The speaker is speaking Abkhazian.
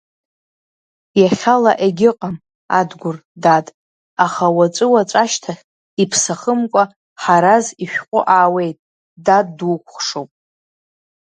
Иахьала егьыҟам, Адгәыр, дад, аха уаҵәы-уаҵәашьҭахь, иԥсахымкәа Ҳараз ишәҟәы аауеит, дад дукәхшоуп!